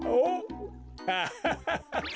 アハハハ。